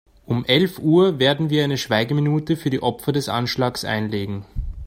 Um elf Uhr werden wir eine Schweigeminute für die Opfer des Anschlags einlegen.